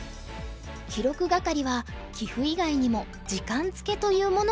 記録係は棋譜以外にも時間付けというものを書いています。